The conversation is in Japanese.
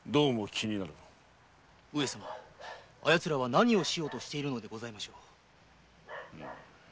上様あやつらは何をしようとしているのでございましょう。